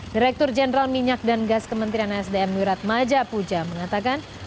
direktur jenderal minyak dan gas kementerian sdm wirat majapuja mengatakan